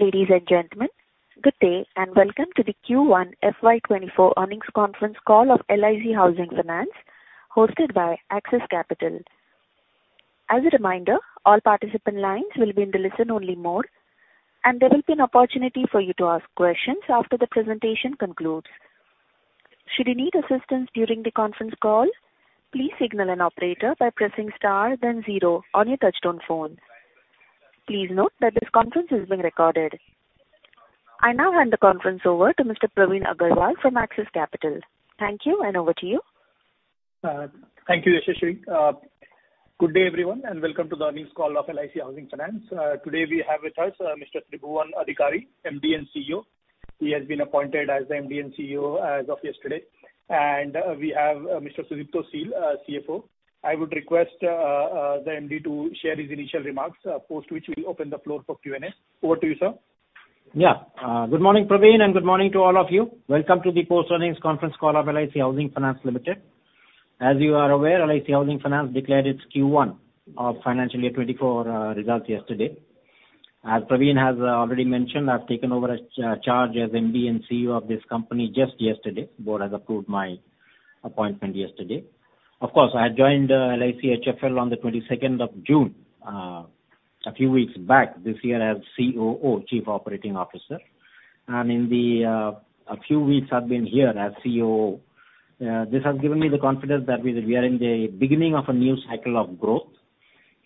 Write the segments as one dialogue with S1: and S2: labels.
S1: Ladies and gentlemen, good day, and welcome to the Q1 FY 2024 Earnings Conference Call of LIC Housing Finance, hosted by Axis Capital. As a reminder, all participant lines will be in the listen only mode, and there will be an opportunity for you to ask questions after the presentation concludes. Should you need assistance during the conference call, please signal an operator by pressing star then 0 on your touchtone phone. Please note that this conference is being recorded. I now hand the conference over to Mr. Praveen Agarwal from Axis Capital. Thank you, and over to you.
S2: Thank you, Yashashwi. Good day, everyone, and welcome to the earnings call of LIC Housing Finance. Today we have with us, Mr. Tribhuvan Adhikari, MD and CEO. He has been appointed as the MD and CEO as of yesterday. We have, Mr. Sudipto Sil, CFO. I would request, the MD to share his initial remarks, post which we'll open the floor for Q&A. Over to you, sir.
S3: Yeah. Good morning, Praveen, good morning to all of you. Welcome to the post-earnings conference call of LIC Housing Finance Limited. As you are aware, LIC Housing Finance declared its Q1 of financial year 2024 results yesterday. As Praveen has already mentioned, I've taken over as charge as MD and CEO of this company just yesterday. Board has approved my appointment yesterday. Of course, I had joined LIC HFL on the 22nd of June, a few weeks back this year as COO, Chief Operating Officer. In the few weeks I've been here as COO, this has given me the confidence that we, we are in the beginning of a new cycle of growth.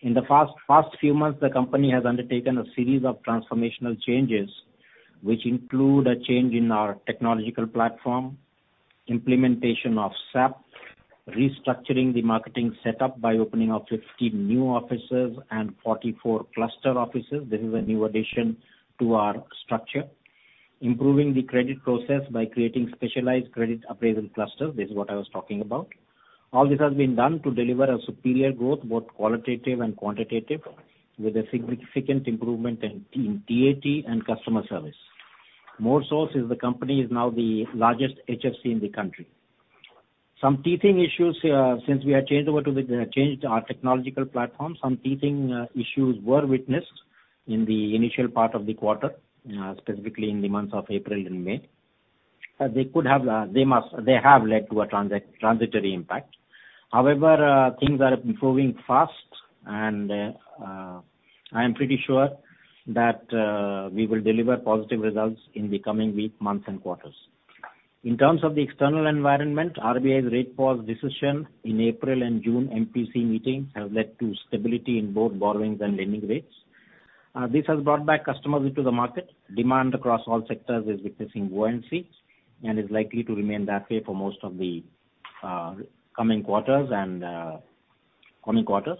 S3: In the past few months, the company has undertaken a series of transformational changes, which include a change in our technological platform, implementation of SAP, restructuring the marketing setup by opening up 50 new offices and 44 cluster offices. This is a new addition to our structure. Improving the credit process by creating specialized credit appraisal clusters. This is what I was talking about. All this has been done to deliver a superior growth, both qualitative and quantitative, with a significant improvement in TAT and customer service. More so, since the company is now the largest HFC in the country. Some teething issues since we have changed over to the changed our technological platform, some teething issues were witnessed in the initial part of the quarter, specifically in the months of April and May. They could have, they must, they have led to a transitory impact. However, things are improving fast and I am pretty sure that we will deliver positive results in the coming weeks, months, and quarters. In terms of the external environment, RBI's rate pause decision in April and June MPC meetings have led to stability in both borrowings and lending rates. This has brought back customers into the market. Demand across all sectors is witnessing buoyancy, and is likely to remain that way for most of the coming quarters and coming quarters.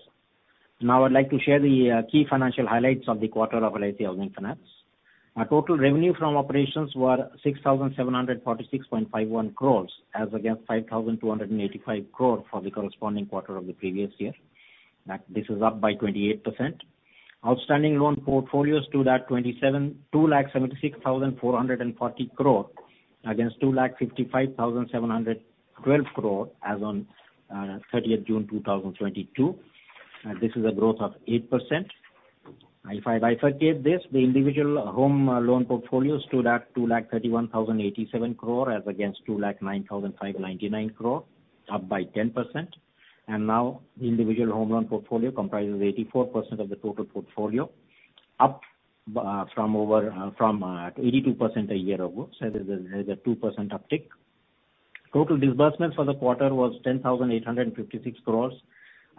S3: Now, I'd like to share the key financial highlights of the quarter of LIC Housing Finance. Our total revenue from operations were 6,746.51 crore, as against 5,285 crore for the corresponding quarter of the previous year. This is up by 28%. Outstanding loan portfolios stood at 276,440 crore, against 255,712 crore as on 30th June, 2022, this is a growth of 8%. If I bifurcate this, the individual home loan portfolio stood at 231,087 crore, as against 209,599 crore, up by 10%. Now, the individual home loan portfolio comprises 84% of the total portfolio, up from over from 82% a year ago, so there's a, there's a 2% uptick. Total disbursements for the quarter was 10,856 crore,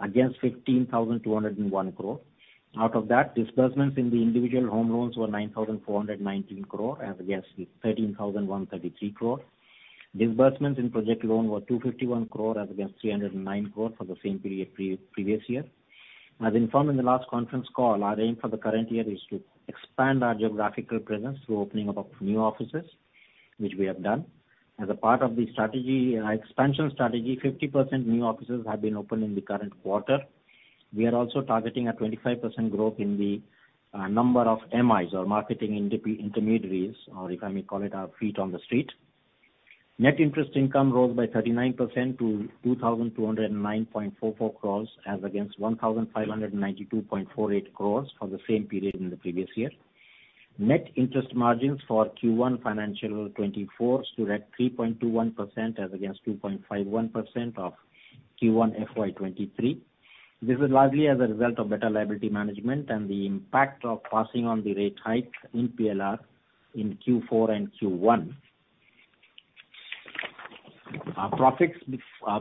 S3: against 15,201 crore. Out of that, disbursements in the individual home loans were 9,419 crore, as against 13,133 crore. Disbursements in project loan were 251 crore as against 309 crore for the same period previous year. As informed in the last conference call, our aim for the current year is to expand our geographical presence through opening up of new offices, which we have done. As a part of the strategy, expansion strategy, 50% new offices have been opened in the current quarter. We are also targeting a 25% growth in the number of MIs or Marketing Intermediaries, or if I may call it, our feet on the street. Net interest income rose by 39% to 2,209.44 crore, as against 1,592.48 crore for the same period in the previous year. Net interest margins for Q1 FY 2024 stood at 3.21% as against 2.51% of Q1 FY 2023. This is largely as a result of better liability management and the impact of passing on the rate hike in PLR in Q4 and Q1. Our profits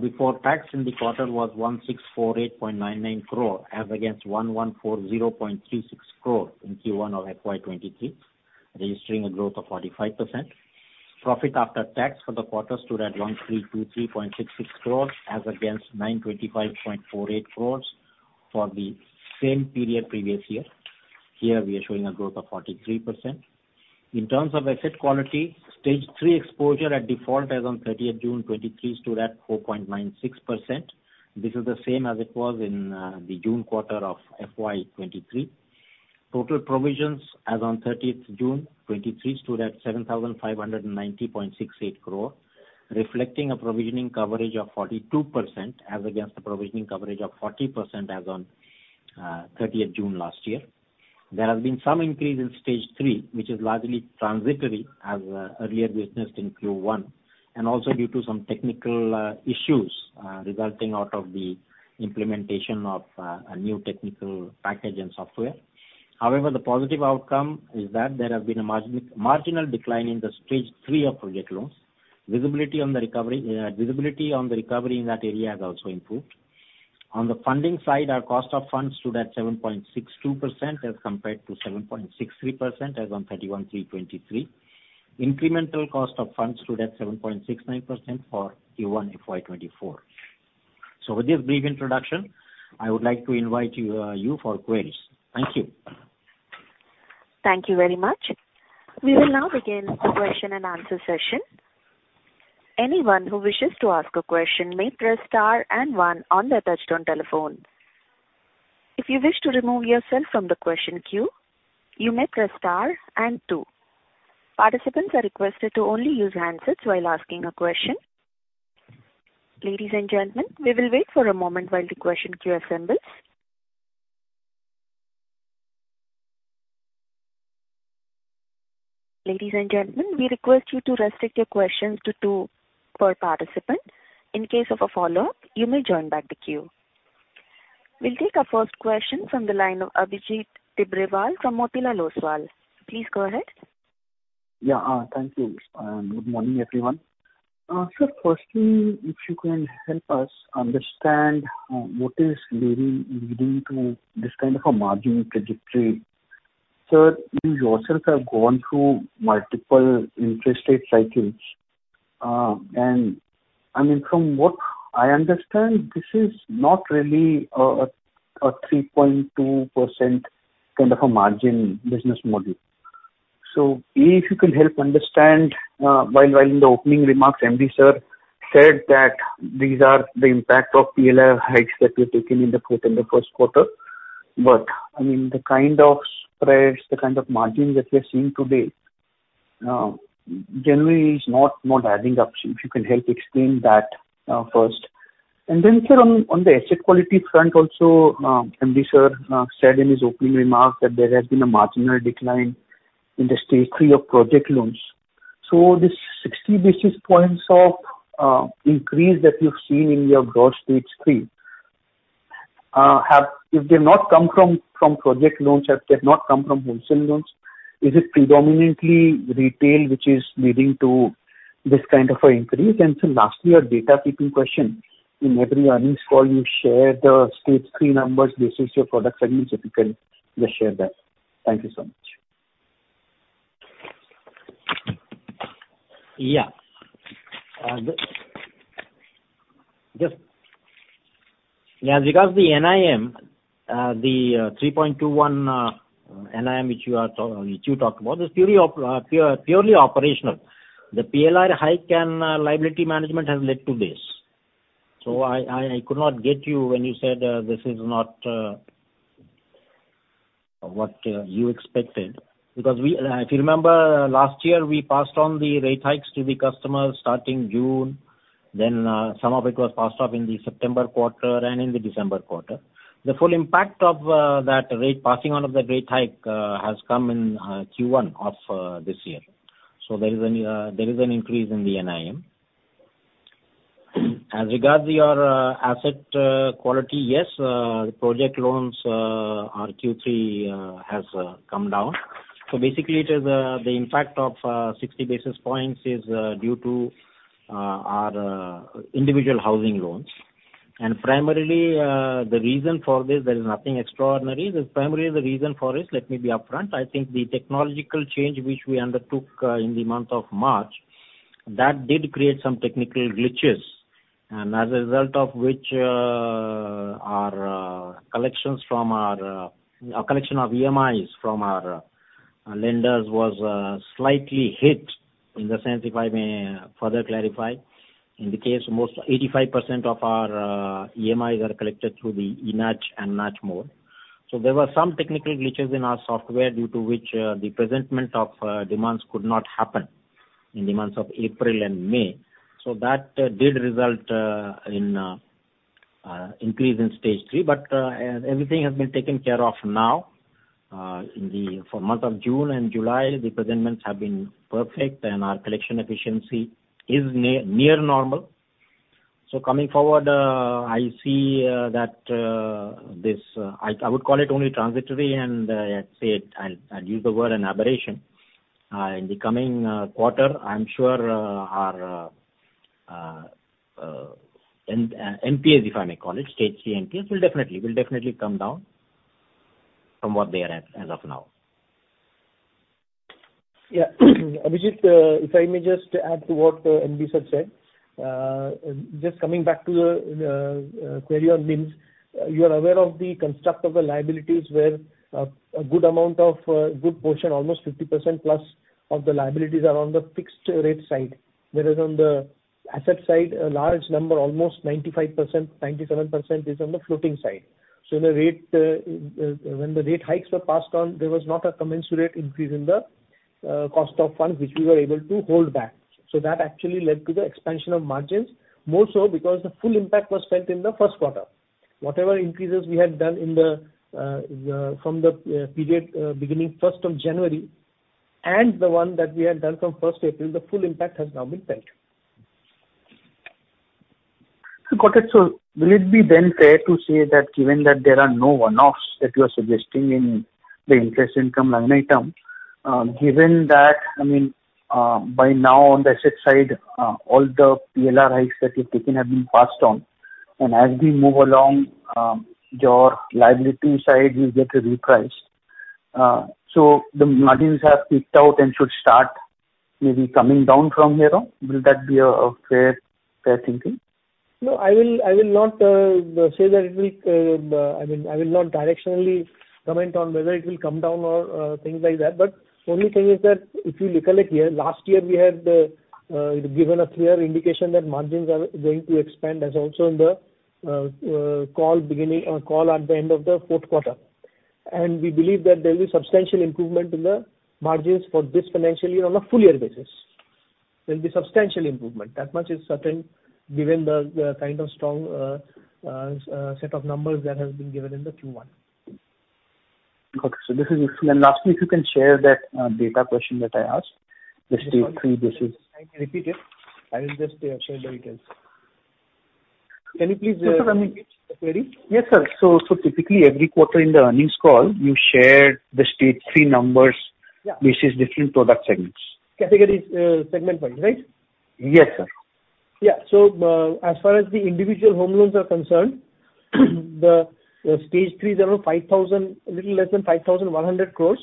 S3: before tax in the quarter was 1,648.99 crore, as against 1,140.36 crore in Q1 of FY 2023, registering a growth of 45%. Profit after tax for the quarter stood at 1,323.66 crore as against 925.48 crore for the same period previous year. Here, we are showing a growth of 43%. In terms of asset quality, Stage three Exposure at Default as on June 30, 2023, stood at 4.96%. This is the same as it was in the June quarter of FY 2023. Total provisions as on June 30, 2023, stood at 7,590.68 crore, reflecting a provisioning coverage of 42%, as against the provisioning coverage of 40% as on June 30 last year. There has been some increase in stage three, which is largely transitory, as earlier witnessed in Q1, and also due to some technical issues resulting out of the implementation of a new technical package and software. However, the positive outcome is that there has been a marginal decline in the stage three of project loans. Visibility on the recovery, visibility on the recovery in that area has also improved. On the funding side, our cost of funds stood at 7.62%, as compared to 7.63%, as on March 31, 2023. Incremental cost of funds stood at 7.69% for Q1 FY 2024. With this brief introduction, I would like to invite you for queries. Thank you.
S1: Thank you very much. We will now begin the question and answer session. Anyone who wishes to ask a question may press star and one on their touchtone telephone. If you wish to remove yourself from the question queue, you may press star and two. Participants are requested to only use handsets while asking a question. Ladies and gentlemen, we will wait for a moment while the question queue assembles. Ladies and gentlemen, we request you to restrict your questions to two per participant. In case of a follow-up, you may join back the queue. We'll take our first question from the line of Abhijit Tibrewal from Motilal Oswal. Please go ahead.
S4: Yeah, thank you, and good morning, everyone. Sir, firstly, if you can help us understand, what is leading, leading to this kind of a margin trajectory? Sir, you yourself have gone through multiple interest rate cycles. I mean, from what I understand, this is not really, a, a 3.2% kind of a margin business model. If you can help understand, while, while in the opening remarks, MD sir said that these are the impact of PLR hikes that were taken in the, in the first quarter. I mean, the kind of spreads, the kind of margins that we're seeing today, generally is not, not adding up. If you can help explain that, first. Sir, on, on the asset quality front also, MD sir, said in his opening remarks that there has been a marginal decline in the Stage three of project loans. This 60 basis points of increase that you've seen in your gross Stage three, have... if they've not come from, from project loans, have, they've not come from wholesale loans, is it predominantly retail which is leading to this kind of a increase? Sir, lastly, a data keeping question. In every earnings call, you share the Stage three numbers, this is your product, I mean, if you can just share that. Thank you so much.
S3: Yeah. Yeah, because the NIM, 3.21 NIM which you talked about, is purely purely operational. The PLR hike and liability management has led to this. I, I, I could not get you when you said this is not what you expected. We, if you remember, last year, we passed on the rate hikes to the customers starting June, then some of it was passed off in the September quarter and in the December quarter. The full impact of that rate, passing on of the rate hike, has come in Q1 of this year. There is an increase in the NIM. As regards your asset quality, yes, the project loans, our Q3 has come down. Basically it is the impact of 60 basis points is due to our individual housing loans. Primarily the reason for this, there is nothing extraordinary. Primarily the reason for this, let me be upfront, I think the technological change which we undertook in the month of March, that did create some technical glitches, as a result of which, our collections from our our collection of EMIs from our lenders was slightly hit, in the sense, if I may further clarify. In the case, most 85% of our EMIs are collected through the ENACH and NACH mode. There were some technical glitches in our software, due to which, the presentment of demands could not happen in the months of April and May. That did result in increase in stage three. Everything has been taken care of now. In the, for month of June and July, the presentments have been perfect, and our collection efficiency is near normal. Coming forward, I see that this, I, I would call it only transitory, and I'd say I'll use the word an aberration. In the coming quarter, I'm sure, our NPAs, if I may call it, stage three NPAs, will definitely, will definitely come down from what they are as, as of now.
S5: Yeah. Abhijit, if I may just add to what MD sir said. Just coming back to the query on NIMs. You are aware of the construct of the liabilities, where a good amount of a good portion, almost 50% plus of the liabilities, are on the fixed rate side. Whereas on the asset side, a large number, almost 95%, 97%, is on the floating side. The rate, when the rate hikes were passed on, there was not a commensurate increase in the cost of funds, which we were able to hold back. That actually led to the expansion of margins, more so because the full impact was felt in the first quarter. Whatever increases we had done in the from the period beginning first of January and the one that we had done from first April, the full impact has now been felt.
S4: Got it. Will it be then fair to say that given that there are no one-offs that you are suggesting in the interest income line item, given that, I mean, by now on the asset side, all the PLR hikes that you've taken have been passed on, and as we move along, your liability side will get a reprice. The margins have peaked out and should start maybe coming down from here on. Will that be a, a fair, fair thinking?
S5: No, I will, I will not, say that it will, I mean, I will not directionally comment on whether it will come down or, things like that. Only thing is that if you recollect here, last year we had, given a clear indication that margins are going to expand, as also in the, call beginning or call at the end of the fourth quarter. We believe that there will be substantial improvement in the margins for this financial year on a full year basis. There will be substantial improvement. That much is certain, given the, the kind of strong, set of numbers that have been given in the Q1.
S4: Okay. Lastly, if you can share that, data question that I asked, the Stage three basis.
S5: I can repeat it. I will just share the details. Can you please repeat the query?
S4: Yes, sir. So typically every quarter in the earnings call, you share the stage three numbers.
S5: Yeah.
S4: basis different product segments.
S5: Categories, segment-wise, right?
S4: Yes, sir.
S5: Yeah. So, as far as the individual home loans are concerned, the stage three is around 5,000... little less than 5,100 crore,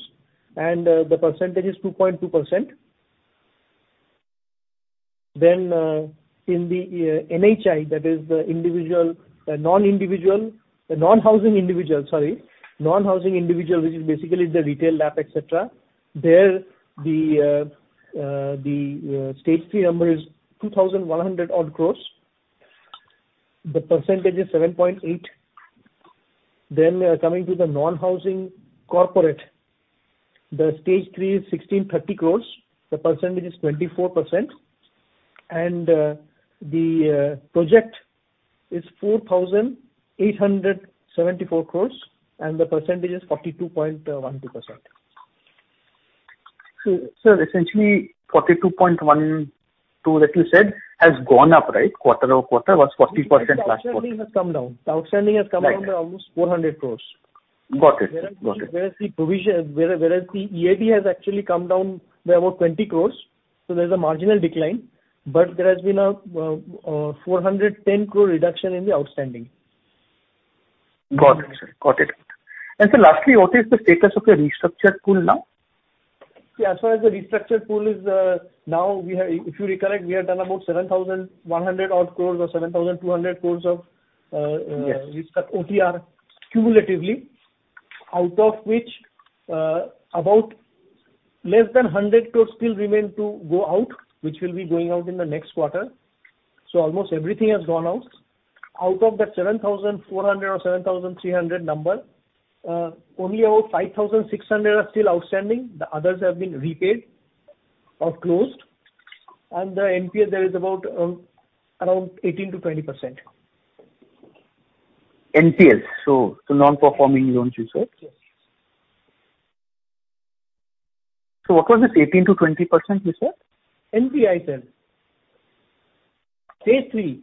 S5: and the percentage is 2.2%. In the NHI, that is the individual, non-individual, non-housing individual, sorry, non-housing individual, which is basically the retail LAP, et cetera, there the stage three number is 2,100 odd crore. The percentage is 7.8%. Coming to the non-housing corporate, the stage three is 1,630 crore, the percentage is 24%, and the project is 4,874 crore, and the percentage is 42.12%.
S4: Sir, essentially 42.12 that you said has gone up, right? Quarter-over-quarter was 40% last quarter.
S5: Outstanding has come down. The outstanding has come down by almost 400 crore.
S4: Got it. Got it.
S5: Whereas the EAD has actually come down by about 20 crore, so there's a marginal decline, but there has been a 410 crore reduction in the outstanding.
S4: Got it, sir. Got it. So lastly, what is the status of your restructured pool now?
S5: Yeah, as far as the restructured pool is, now, we have, If you recollect, we have done about 7,100 odd crore or 7,200 crore of OTR cumulatively, out of which, about less than 100 crore still remain to go out, which will be going out in the next quarter. Almost everything has gone out. Out of that 7,400 or 7,300 number, only about 5,600 are still outstanding. The others have been repaid or closed. The NPS, there is about 18%-20%.
S4: NPS, so non-performing loans, you said?
S5: Yes.
S4: What was this 18%-20% you said?
S5: NPA, sir. Stage three.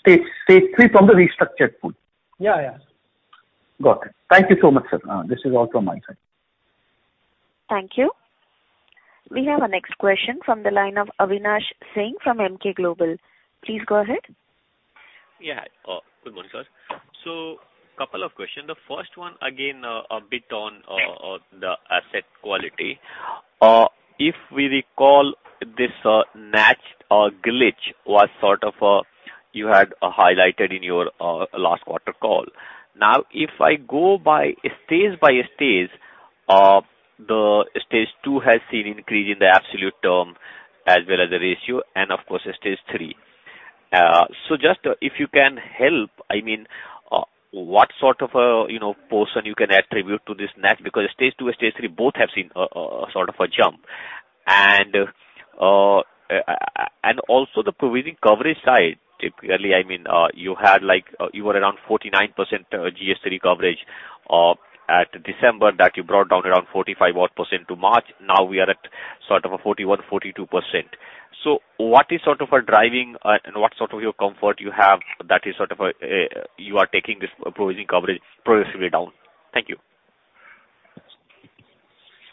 S4: Stage, stage three from the restructured pool?
S5: Yeah, yeah.
S4: Got it. Thank Thank you so much, sir. This is all from my side.
S1: Thank you. We have our next question from the line of Avinash Singh from Emkay Global. Please go ahead.
S6: Yeah. Good morning, sir. Couple of questions. The first one, again, a bit on the asset quality. If we recall, this match or glitch was sort of, you had highlighted in your last quarter call. If I go by stage by stage, the stage two has seen increase in the absolute term as well as the ratio, and of course, stage three. Just if you can help, I mean, what sort of, you know, portion you can attribute to this next? Because stage two and stage three both have seen a sort of a jump. Also the provisioning coverage side, typically, I mean, you had like, you were around 49% GS3 coverage at December, that you brought down around 45% odd to March. Now we are at sort of a 41%-42%. What is sort of driving, and what sort of your comfort you have that is sort of, you are taking this provisioning coverage progressively down? Thank you.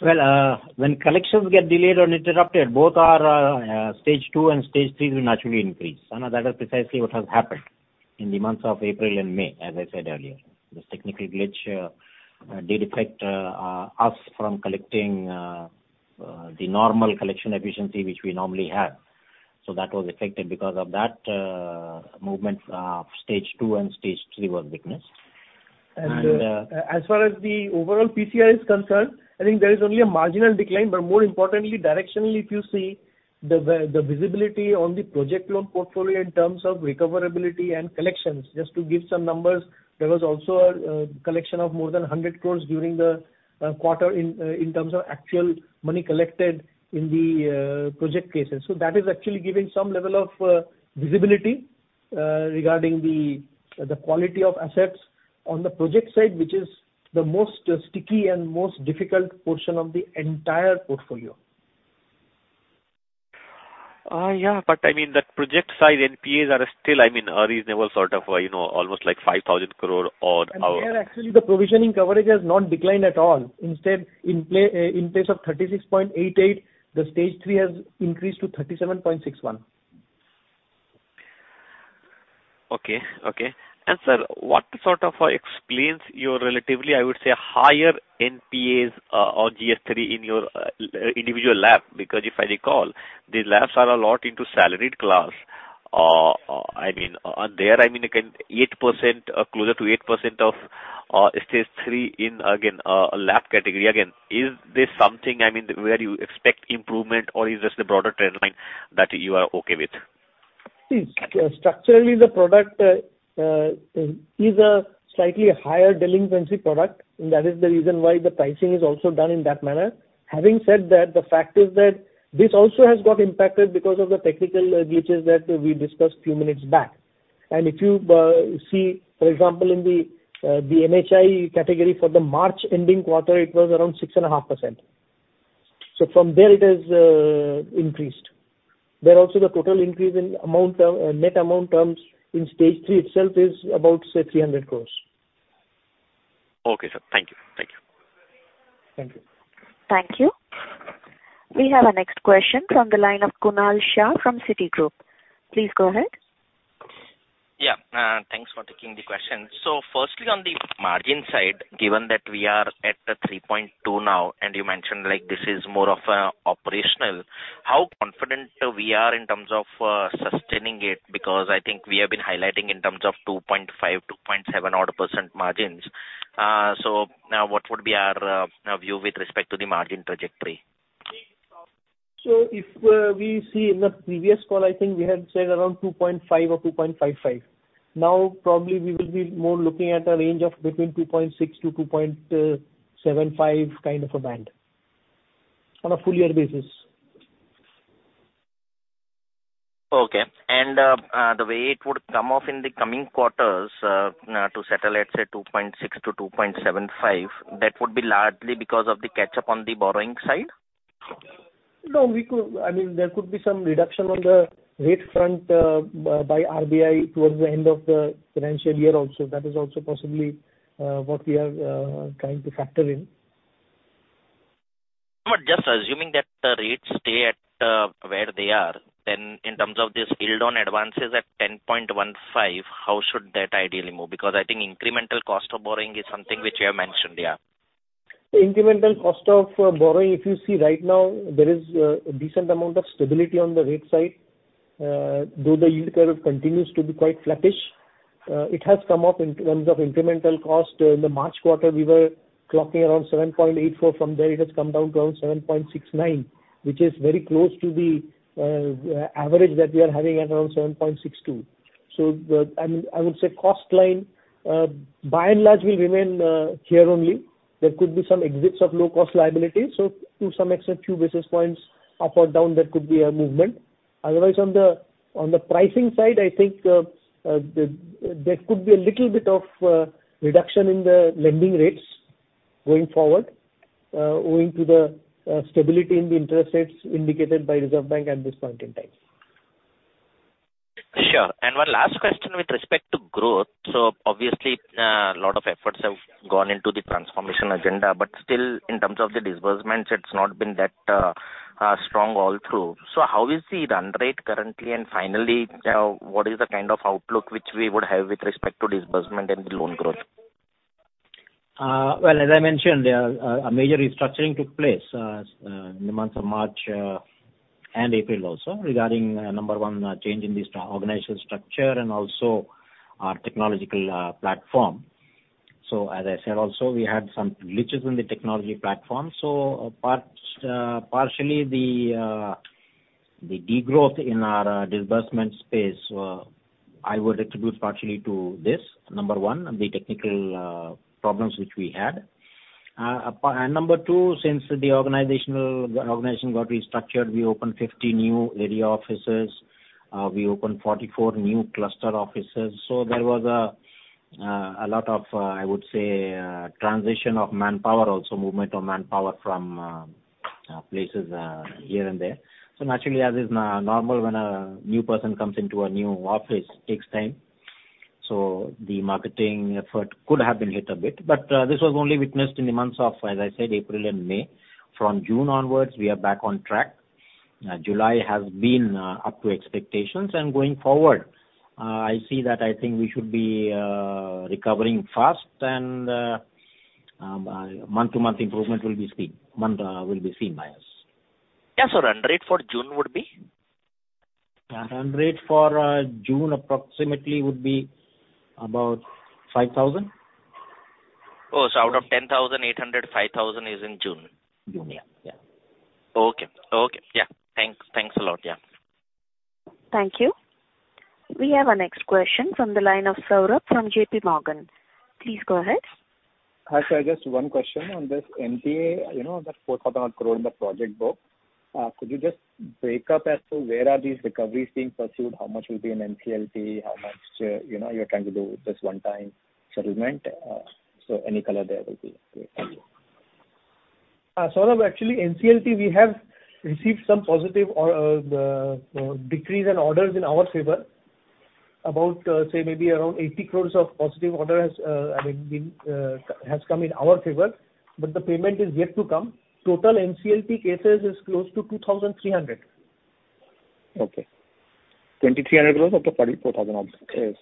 S3: Well, when collections get delayed or interrupted, both our stage two and stage three will naturally increase. That is precisely what has happened in the months of April and May, as I said earlier. This technical glitch did affect us from collecting the normal collection efficiency which we normally have. That was affected. Because of that movement, stage two and stage three were witnessed.
S5: As far as the overall PCR is concerned, I think there is only a marginal decline, but more importantly, directionally, the visibility on the project loan portfolio in terms of recoverability and collections. Just to give some numbers, there was also a collection of more than 100 crore during the quarter in terms of actual money collected in the project cases. That is actually giving some level of visibility regarding the quality of assets on the project side, which is the most sticky and most difficult portion of the entire portfolio.
S6: Yeah, but I mean, that project side NPAs are still, I mean, a reasonable sort of, you know, almost like 5,000 crore.
S5: There, actually, the provisioning coverage has not declined at all. Instead, in play, in place of 36.88, the stage three has increased to 37.61.
S6: Okay. Okay. Sir, what sort of explains your relatively, I would say, higher NPAs or GS3 in your individual LAP? Because if I recall, the LAPs are a lot into salaried class, I mean, and there, I mean, again, 8%, closer to 8% of stage three in, again, a LAP category. Again, is this something, I mean, where you expect improvement, or is this the broader trend line that you are okay with?
S5: See, structurally, the product is a slightly higher delinquency product, and that is the reason why the pricing is also done in that manner. Having said that, the fact is that this also has got impacted because of the technical glitches that we discussed few minutes back. If you see, for example, in the NHI category for the March ending quarter, it was around 6.5%. From there it has increased. There also, the total increase in amount term, net amount terms in stage three itself is about, say, 300 crore.
S6: Okay, sir. Thank you. Thank you.
S5: Thank you.
S1: Thank you. We have our next question from the line of Kunal Shah from Citigroup. Please go ahead.
S7: Yeah, thanks for taking the question. Firstly, on the margin side, given that we are at the 3.2 now, and you mentioned, like, this is more of a operational, how confident we are in terms of sustaining it? Because I think we have been highlighting in terms of 2.5%, 2.7% odd % margins. Now what would be our view with respect to the margin trajectory?
S5: If we see in the previous call, I think we had said around 2.5% or 2.55%. Now, probably we will be more looking at a range of between 2.6%-2.75%, kind of a band, on a full year basis.
S7: Okay. The way it would come off in the coming quarters, to settle at, say, 2.6-2.75, that would be largely because of the catch-up on the borrowing side?
S5: No, we could... I mean, there could be some reduction on the rate front, by, by RBI towards the end of the financial year also. That is also possibly, what we are, trying to factor in.
S7: Just assuming that the rates stay at, where they are, in terms of this yield on advances at 10.15, how should that ideally move? I think incremental cost of borrowing is something which you have mentioned, yeah.
S5: Incremental cost of borrowing, if you see right now, there is a decent amount of stability on the rate side. Though the yield curve continues to be quite flattish, it has come up in terms of incremental cost. In the March quarter, we were clocking around 7.84. From there, it has come down to around 7.69, which is very close to the average that we are having at around 7.62. I mean, I would say cost line, by and large, will remain here only. There could be some exits of low-cost liabilities, so to some extent, few basis points up or down, there could be a movement. Otherwise, on the, on the pricing side, I think there could be a little bit of reduction in the lending rates going forward, owing to the stability in the interest rates indicated by Reserve Bank at this point in time.
S7: Sure. One last question with respect to growth. Obviously, a lot of efforts have gone into the transformation agenda, but still, in terms of the disbursements, it's not been that strong all through. How is the run rate currently? Finally, what is the kind of outlook which we would have with respect to disbursement and the loan growth?
S3: Well, as I mentioned, there, a major restructuring took place in the months of March and April also, regarding number one, change in this organizational structure and also our technological platform. So as I said also, we had some glitches in the technology platform. So, partially the degrowth in our disbursement space, I would attribute partially to this, number one, the technical problems which we had. And number two, since the organization got restructured, we opened 50 new area offices, we opened 44 new cluster offices. So there was a lot of, I would say, transition of manpower also, movement of manpower from places here and there. Naturally, as is normal when a new person comes into a new office, takes time, so the marketing effort could have been hit a bit. This was only witnessed in the months of, as I said, April and May. From June onwards, we are back on track. July has been up to expectations, and going forward, I see that I think we should be recovering fast and month-to-month improvement will be seen. Month will be seen by us.
S7: Yeah, sir, run rate for June would be?
S3: Run rate for June approximately would be about 5,000.
S7: Oh, out of 10,800, 5,000 is in June?
S3: June, yeah. Yeah.
S7: Okay. Okay. Yeah. Thanks. Thanks a lot. Yeah.
S1: Thank you. We have our next question from the line of Saurabh from JPMorgan. Please go ahead.
S8: Hi, sir, just one question on this NPA, you know, that 4,000 crore in the project book. Could you just break up as to where are these recoveries being pursued? How much will be in NCLT? How much, you know, you're trying to do just one time settlement? Any color there will be great. Thank you.
S5: Saurabh, actually, NCLT, we have received some positive or decrees and orders in our favor. About say maybe around 80 crore of positive order has I mean has come in our favor, but the payment is yet to come. Total NCLT cases is close to 2,300.
S8: Okay. INR 2,300 crore of the INR 44,000 odds, yes.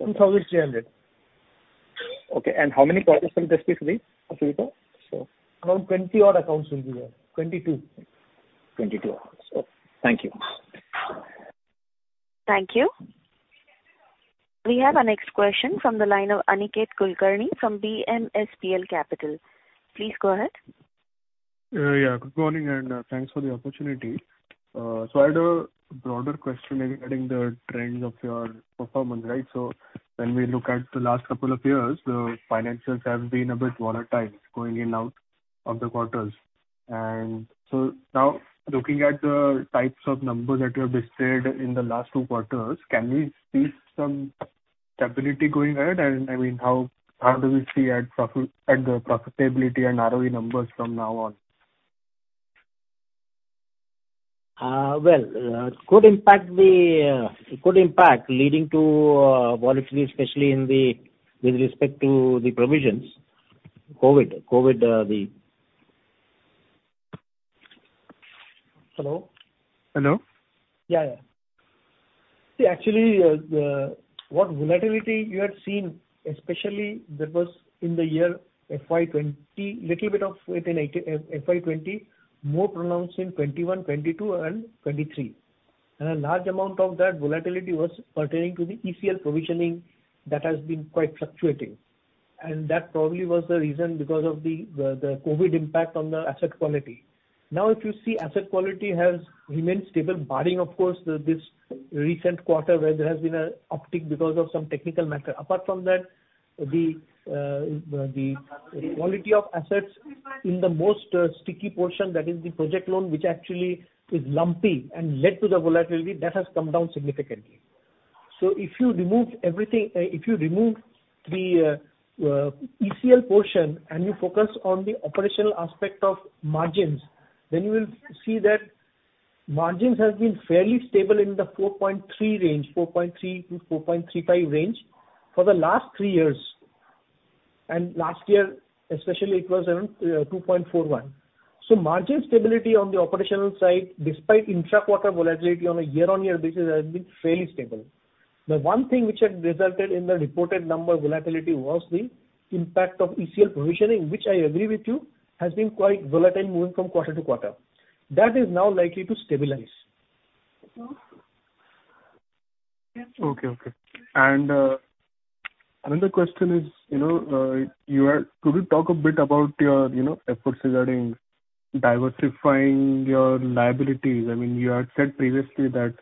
S5: INR 2,300.
S8: Okay, how many projects will this be for you, sir?
S5: Around 20 odd accounts will be there. 22.
S8: 22 accounts. Okay. Thank you.
S1: Thank you. We have our next question from the line of Aniket Kulkarni from BMSPL Capital. Please go ahead.
S9: Yeah, good morning, and thanks for the opportunity. I had a broader question regarding the trend of your performance, right? When we look at the last couple of years, the financials have been a bit volatile, going in out of the quarters. Now, looking at the types of numbers that you have stated in the last two quarters, can we see some stability going ahead? I mean, how, how do we see at profit, at the profitability and ROE numbers from now on?
S5: Well, could impact the, could impact leading to volatility, especially in the, with respect to the provisions. COVID, COVID.
S9: Hello? Hello.
S5: Yeah, yeah. See, actually, what volatility you had seen, especially that was in the year FY 2020, little bit of it in FY 2020, more pronounced in 2021, 2022, and 2023. A large amount of that volatility was pertaining to the ECL provisioning that has been quite fluctuating. That probably was the reason because of the COVID impact on the asset quality. Now, if you see asset quality has remained stable, barring, of course, this recent quarter, where there has been an uptick because of some technical matter. Apart from that, the quality of assets in the most sticky portion, that is the project loan, which actually is lumpy and led to the volatility, that has come down significantly. If you remove everything, if you remove the ECL portion and you focus on the operational aspect of margins, you will see that margins have been fairly stable in the 4.3 range, 4.3-4.35 range, for the last three years. Last year, especially, it was around 2.41. Margin stability on the operational side, despite intra-quarter volatility on a year-on-year basis, has been fairly stable. The one thing which had resulted in the reported number volatility was the impact of ECL provisioning, which I agree with you, has been quite volatile moving from quarter to quarter. That is now likely to stabilize.
S9: Okay, okay. Another question is, you know, Could you talk a bit about your, you know, efforts regarding diversifying your liabilities? I mean, you had said previously that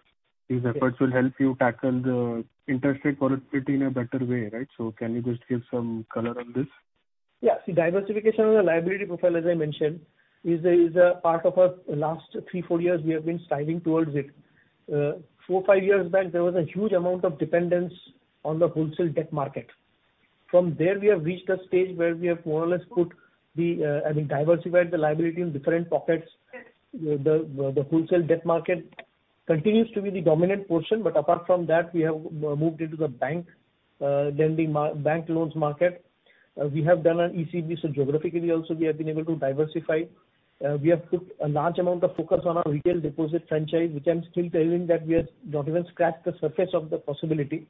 S9: these efforts will help you tackle the interest rate volatility in a better way, right? Can you just give some color on this?
S5: Yeah. Diversification of the liability profile, as I mentioned, is a part of our last three, four years, we have been striving towards it. Four, five years back, there was a huge amount of dependence on the wholesale debt market. From there, we have reached a stage where we have more or less put the, I mean, diversified the liability in different pockets. The wholesale debt market continues to be the dominant portion, but apart from that, we have moved into the bank loans market. We have done an ECB, geographically also we have been able to diversify. We have put a large amount of focus on our retail deposit franchise, which I'm still telling that we have not even scratched the surface of the possibility.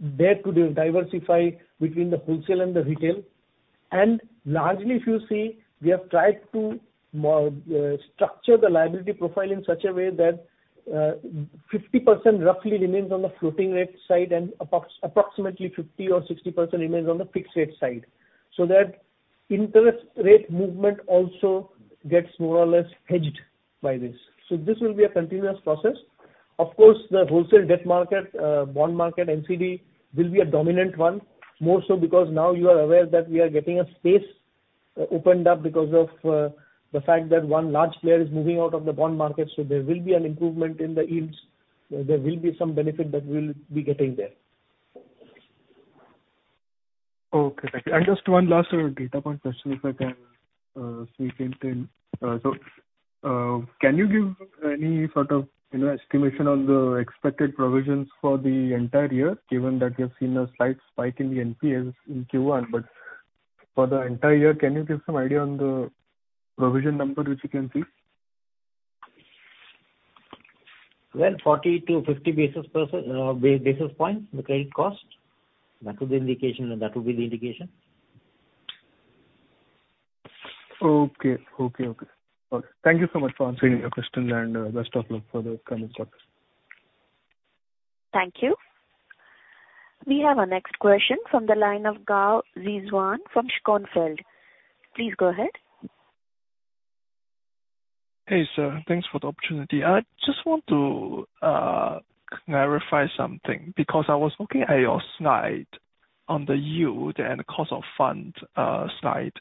S5: There to diversify between the wholesale and the retail. Largely, if you see, we have tried to more structure the liability profile in such a way that 50% roughly remains on the floating rate side, and approximately 50% or 60% remains on the fixed rate side. That interest rate movement also gets more or less hedged by this. This will be a continuous process. Of course, the wholesale debt market, bond market, NCD, will be a dominant one. More so because now you are aware that we are getting a space opened up because of the fact that one large player is moving out of the bond market, so there will be an improvement in the yields. There will be some benefit that we'll be getting there.
S9: Okay, thank you. Just one last data point question, if I can squeeze in then. Can you give any sort of, you know, estimation on the expected provisions for the entire year, given that you have seen a slight spike in the NPAs in Q1? For the entire year, can you give some idea on the provision number, which you can see?
S5: Well, 40 to 50 basis points, the current cost. That would be the indication, that would be the indication.
S9: Okay. Okay, okay. Okay, thank you so much for answering your questions, and best of luck for the coming quarters.
S1: Thank you. We have our next question from the line of Rizwan Gao from Schroders. Please go ahead.
S10: Hey, sir. Thanks for the opportunity. I just want to clarify something, because I was looking at your slide on the yield and cost of fund slide.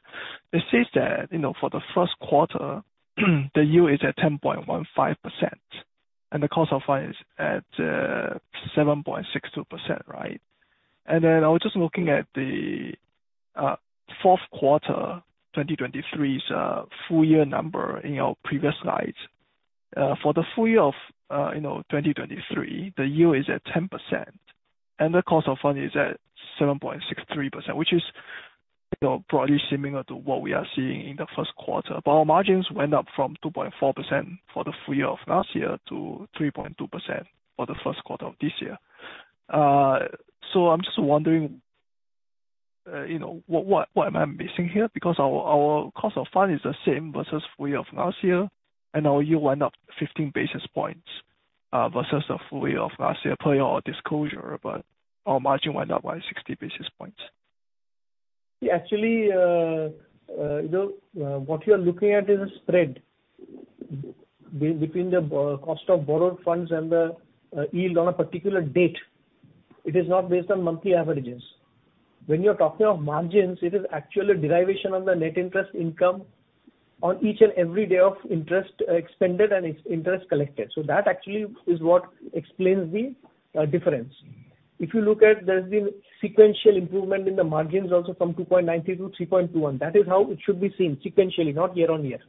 S10: It says that, you know, for the first quarter, the yield is at 10.15%, and the cost of fund is at 7.62%, right? Then I was just looking at the fourth quarter, 2023's full year number in your previous slides. For the full year of, you know, 2023, the yield is at 10%, and the cost of fund is at 7.63%, which is, you know, broadly similar to what we are seeing in the first quarter. Our margins went up from 2.4% for the full year of last year to 3.2% for the first quarter of this year. So I'm just wondering, you know, what, what, what am I missing here? Because our, our cost of fund is the same versus full year of last year, and our yield went up 15 basis points versus the full year of last year, per your disclosure, but our margin went up by 60 basis points.
S3: Yeah, actually, you know, what you're looking at is a spread between the cost of borrowed funds and the yield on a particular date. It is not based on monthly averages. When you're talking of margins, it is actually derivation on the net interest income on each and every day of interest expended and its interest collected. That actually is what explains the difference. If you look at, there's been sequential improvement in the margins also from 2.90 to 3.21. That is how it should be seen sequentially, not year-over-year.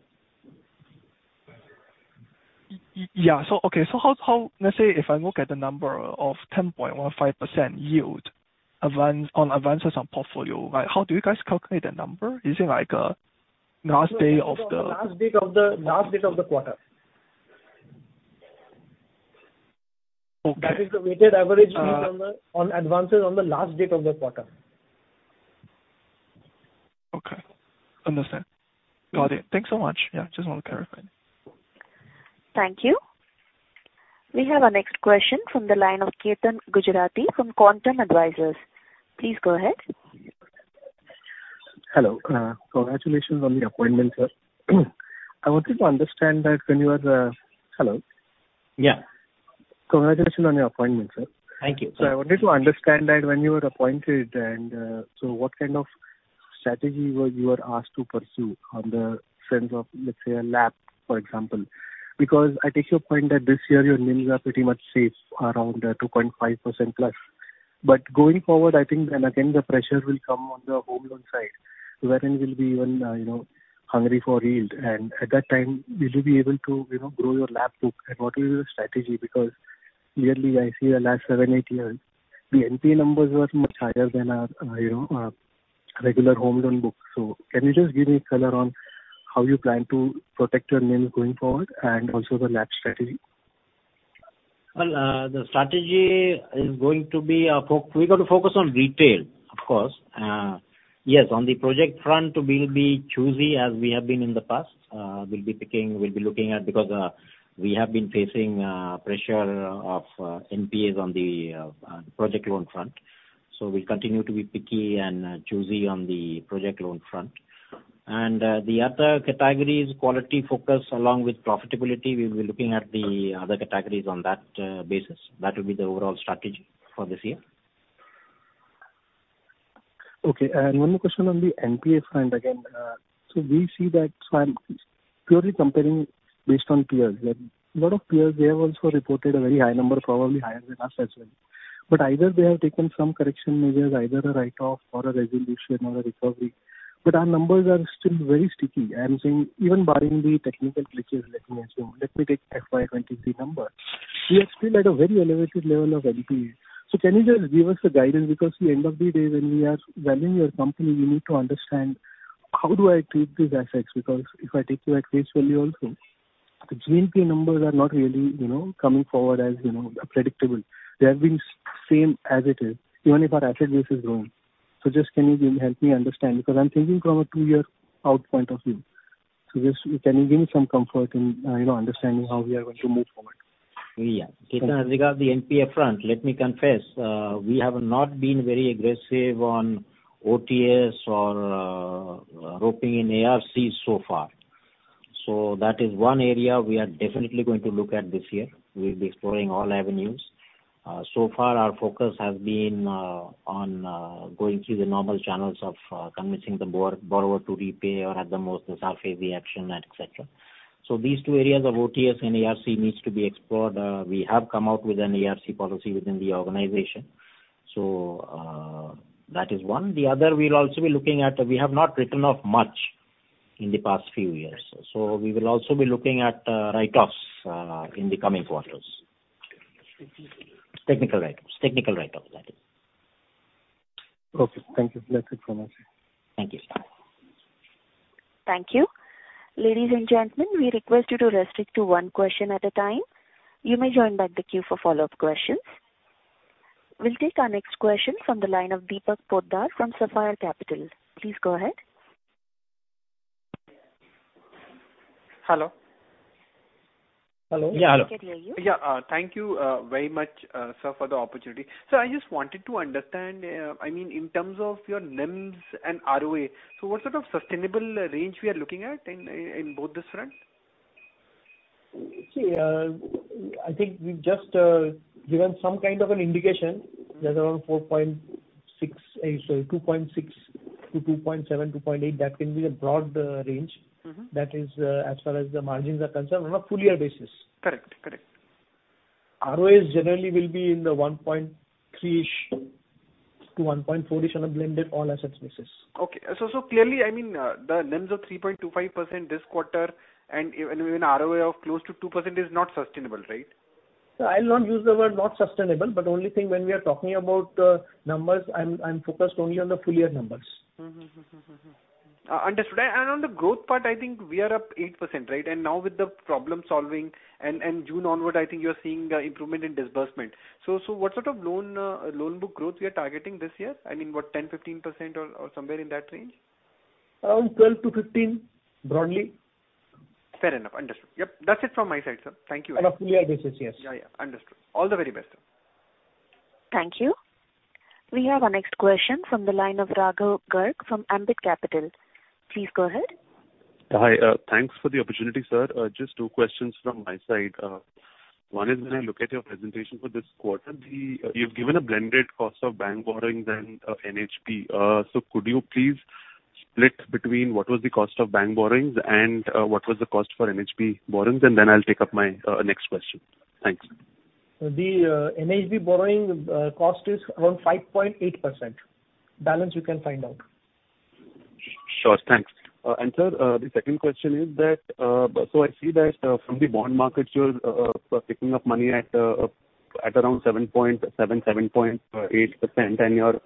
S10: Yeah. Okay, so how Let's say if I look at the number of 10.15% yield advance, on advances on portfolio, right? How do you guys calculate that number? Is it like last day of the
S3: Last date of the, last date of the quarter.
S10: Okay.
S3: That is the weighted average yield on advances on the last date of the quarter.
S10: Okay. Understand. Got it. Thanks so much. Yeah, just want to clarify.
S1: Thank you. We have our next question from the line of Ketan Gujarati from Quantum Advisors. Please go ahead.
S11: Hello. Congratulations on the appointment, sir. I wanted to understand that when you were... Hello.
S3: Yeah.
S11: Congratulations on your appointment, sir.
S3: Thank you.
S11: I wanted to understand that when you were appointed and, so what kind of strategy were you were asked to pursue on the front of, let's say, a LAP, for example? I take your point that this year your NIMs are pretty much safe, around 2.5%+. Going forward, I think, and again, the pressure will come on the home loan side, wherein we'll be even, you know, hungry for yield. At that time, will you be able to, you know, grow your LAP book, and what will be your strategy? Yearly I see the last seven-eight years, the NPA numbers were much higher than, you know, regular home loan book. Can you just give me color on how you plan to protect your NIMs going forward, and also the LAP strategy?
S3: Well, the strategy is going to be, we're going to focus on retail, of course. Yes, on the project front, we'll be choosy as we have been in the past. We'll be picking, we'll be looking at because, we have been facing, pressure of, NPAs on the, project loan front. We'll continue to be picky and, choosy on the project loan front. The other categories, quality focus along with profitability, we'll be looking at the other categories on that, basis. That will be the overall strategy for this year.
S11: Okay. One more question on the NPA front again. We see that, I'm purely comparing based on peers. Lot of peers, they have also reported a very high number, probably higher than us as well. Either they have taken some correction measures, either a write-off or a resolution or a recovery, but our numbers are still very sticky. I am saying even barring the technical glitches, let me assume. Let me take FY 2023 numbers. We are still at a very elevated level of NPA. Can you just give us a guidance? At the end of the day, when we are valuing your company, we need to understand how do I treat these assets? If I take you at face value also, the GNP numbers are not really, you know, coming forward as, you know, predictable. They have been same as it is, even if our asset base is growing. Just can you give, help me understand, because I'm thinking from a two-year out point of view. Just, can you give me some comfort in, you know, understanding how we are going to move forward?
S3: Yeah. Ketan, as regards the NPA front, let me confess, we have not been very aggressive on OTS or roping in ARC so far. That is one area we are definitely going to look at this year. We'll be exploring all avenues. So far, our focus has been on going through the normal channels of convincing the borrower to repay or at the most, the SARFAESI action, et cetera. These two areas of OTS and ARC need to be explored. We have come out with an ARC policy within the organization. That is one. The other, we'll also be looking at, we have not written off much in the past few years, so we will also be looking at write-offs in the coming quarters. Technical write-offs. Technical write-offs, that is.
S11: Okay. Thank you. That's it from us.
S3: Thank you, sir.
S1: Thank you. Ladies and gentlemen, we request you to restrict to one question at a time. You may join back the queue for follow-up questions. We'll take our next question from the line of Deepak Poddar from Sapphire Capital. Please go ahead.
S12: Hello?
S5: Hello. Yeah, hello.
S12: Yeah, thank you very much, sir, for the opportunity. Sir, I just wanted to understand, I mean, in terms of your NIMs and ROA, so what sort of sustainable range we are looking at in both this front?
S5: See, I think we've just given some kind of an indication that around 4.6, sorry, 2.6-2.7-2.8, that can be a broad range. That is, as far as the margins are concerned on a full year basis.
S12: Correct. Correct.
S5: ROAs generally will be in the 1.3-ish-1.4-ish on a blended all assets basis.
S12: Okay. Clearly, I mean, the NIMs are 3.25% this quarter, and even ROA of close to 2% is not sustainable, right?
S5: I'll not use the word not sustainable, but only thing when we are talking about numbers, I'm, I'm focused only on the full year numbers.
S12: Understood. On the growth part, I think we are up 8%, right? Now with the problem-solving and June onward, I think you're seeing improvement in disbursement. What sort of loan book growth you are targeting this year? I mean, what, 10%-15% or somewhere in that range?
S5: Around 12 to 15, broadly.
S12: Fair enough. Understood. Yep, that's it from my side, sir. Thank you.
S5: On a full year basis, yes.
S12: Yeah, yeah. Understood. All the very best.
S1: Thank you. We have our next question from the line of Raghav Garg from Ambit Capital. Please go ahead.
S13: Hi, thanks for the opportunity, sir. Just two questions from my side. One is, when I look at your presentation for this quarter, the... You've given a blended cost of bank borrowings and NHB. So could you please split between what was the cost of bank borrowings and what was the cost for NHB borrowings? Then I'll take up my next question. Thanks.
S5: The NHB borrowing cost is around 5.8%. Balance you can find out.
S13: Sure. Thanks. Sir, the second question is that I see that from the bond markets, you're picking up money at around 7.7%-7.8%, and your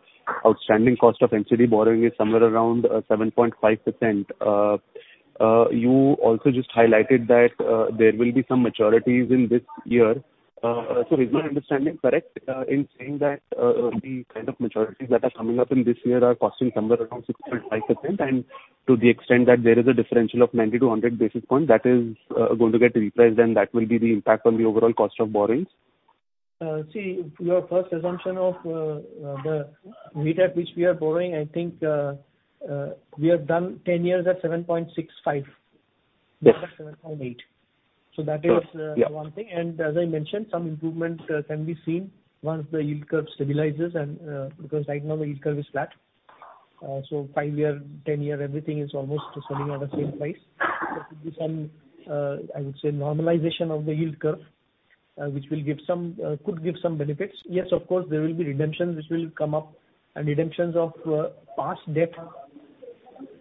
S13: outstanding cost of NCD borrowing is somewhere around 7.5%. You also just highlighted that there will be some maturities in this year. Is my understanding correct in saying that the kind of maturities that are coming up in this year are costing somewhere around 6.5%? To the extent that there is a differential of 90-100 basis points, that is going to get repriced, and that will be the impact on the overall cost of borrowings?
S5: See, your first assumption of the rate at which we are borrowing, I think, we have done 10 years at 7.65.
S13: Yes.
S5: 7.8.
S13: Sure. Yeah.
S5: That is one thing. As I mentioned, some improvements can be seen once the yield curve stabilizes and because right now the yield curve is flat. Five year, 10 year, everything is almost selling at the same price. There could be some, I would say, normalization of the yield curve, which will give some, could give some benefits. Yes, of course, there will be redemptions which will come up, and redemptions of past debt,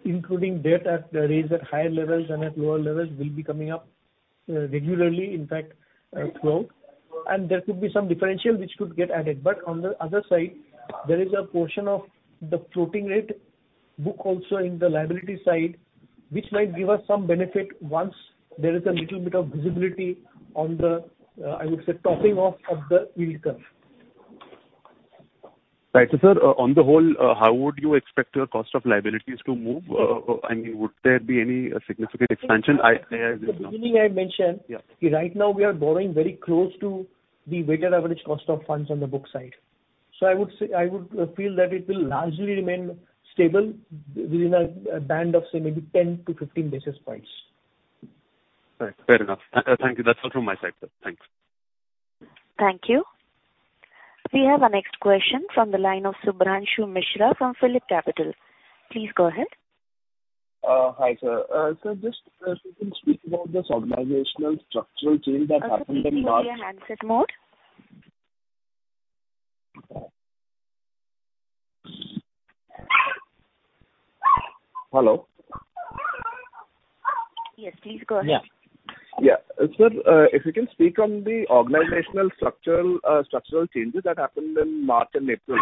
S5: including debt at raised at higher levels and at lower levels, will be coming up regularly, in fact, throughout. There could be some differential which could get added. On the other side, there is a portion of the floating rate book also in the liability side, which might give us some benefit once there is a little bit of visibility on the, I would say, topping off of the yield curve.
S13: Right. Sir, on the whole, how would you expect your cost of liabilities to move? I mean, would there be any significant expansion? In the beginning, I mentioned.
S5: Yeah. right now we are borrowing very close to the weighted average cost of funds on the book side. I would say, I would feel that it will largely remain stable within a, a band of, say, maybe 10-15 basis points.
S13: Right. Fair enough. Thank you. That's all from my side, sir. Thanks.
S1: Thank you. We have our next question from the line of Shubhranshu Mishra from PhillipCapital. Please go ahead.
S14: Hi, sir. Sir, just if you can speak about this organizational structural change that happened in March?
S1: Sir, please put you on handset mode.
S14: Hello?
S1: Yes, please go ahead.
S5: Yeah.
S14: Yeah. Sir, if you can speak on the organizational structural, structural changes that happened in March and April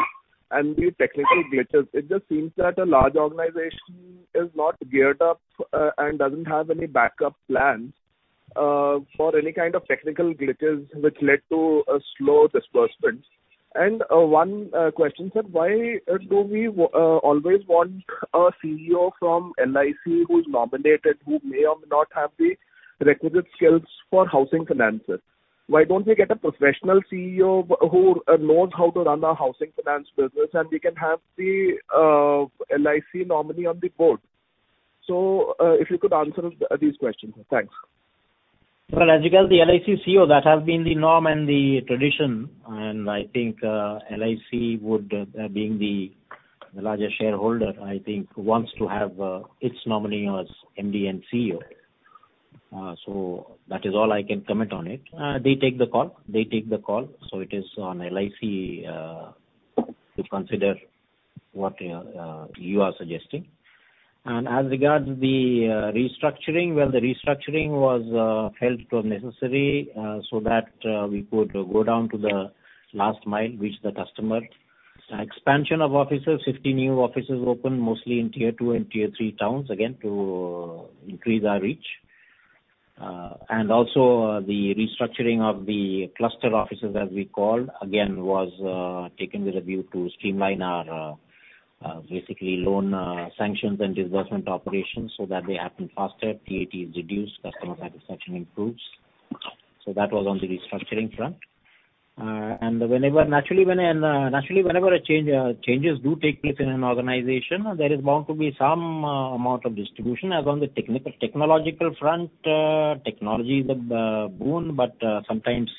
S14: and the technical glitches. It just seems that a large organization is not geared up and doesn't have any backup plans for any kind of technical glitches which led to a slow disbursements. One question, sir: Why do we always want a CEO from LIC who's nominated, who may or may not have the requisite skills for housing finances? Why don't we get a professional CEO who knows how to run a housing finance business, and we can have the LIC nominee on the board? If you could answer these questions. Thanks.
S3: Well, as you know, the LIC CEO, that has been the norm and the tradition, and I think LIC would, being the largest shareholder, I think, wants to have its nominee as MD and CEO. So that is all I can comment on it. They take the call. They take the call. So it is on LIC to consider what you are suggesting. As regards the restructuring, well, the restructuring was felt was necessary so that we could go down to the last mile, reach the customer. Expansion of offices, 50 new offices opened, mostly in Tier two and Tier three towns, again, to increase our reach. And also, the restructuring of the cluster offices, as we call, again, was taken with a view to streamline our basically loan sanctions and disbursement operations so that they happen faster, TAT is reduced, customer satisfaction improves. So that was on the restructuring front. Whenever, naturally, when an naturally, whenever a change changes do take place in an organization, there is bound to be some amount of distribution. On the technical, technological front, technology is a boon, but sometimes